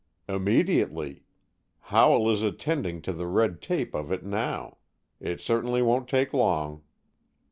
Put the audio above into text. "Immediately. Howell is attending to the red tape of it now. It certainly won't take long."